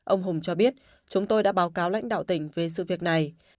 ông hùng cho biết chúng tôi đã báo cáo lãnh đạo tỉnh về sự việc này